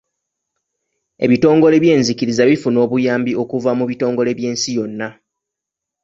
Ebitongole byenzikiriza bifuna obuyambi okuva mu bitongole by'ensi yonna.